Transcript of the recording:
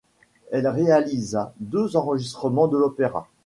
Elle réalisa deux enregistrements de l'opéra.